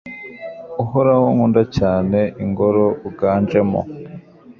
Uhoraho nkunda cyane Ingoro uganjemo